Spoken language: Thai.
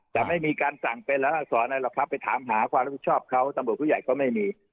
จะไม่มีการสั่งเป็นแล้วหรอกครับไปถามหาความรู้ชอบเขาตำรวจผู้ใหญ่ก็ไม่มี